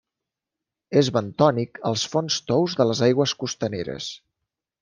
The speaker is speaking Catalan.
És bentònic als fons tous de les aigües costaneres.